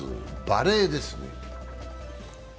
バレーですね。